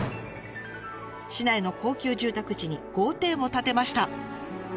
市内の高級住宅地に豪邸も建てました。